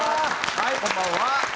はいこんばんは。